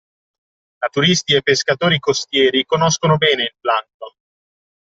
Naturalisti e pescatori costieri conoscono bene il plamkton